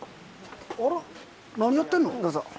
あら何やってんの？